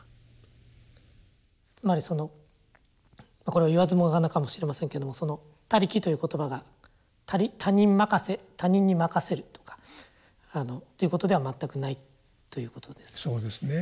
つまりそのこれは言わずもがなかもしれませんけども「他力」という言葉が他人任せ他人に任せるとかっていうことでは全くないということですね。